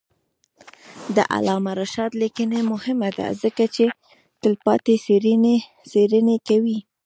د علامه رشاد لیکنی هنر مهم دی ځکه چې تلپاتې څېړنې کوي.